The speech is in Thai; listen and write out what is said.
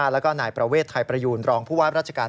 และก็ผาประเวชไทยประยูญรองม์ผู้วัฒน์ราชการ